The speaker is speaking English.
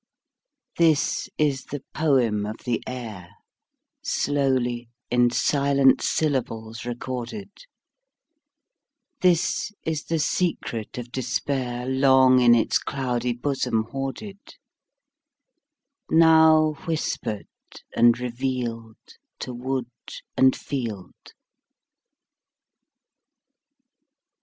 This is the poem of the air, Slowly in silent syllables recorded; This is the secret of despair, Long in its cloudy bosom hoarded, Now whispered and revealed To wood and field.